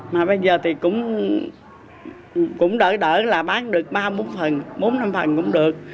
mà bây giờ thì cũng đỡ đỡ là bán được ba bốn phần bốn năm phần cũng được